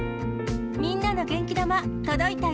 みんなの元気玉とどいたよ！